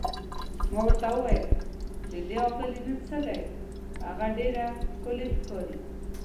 ما ورته وویل: د دې اغلې نوم څه دی، هغه ډېره ښکلې ښکاري؟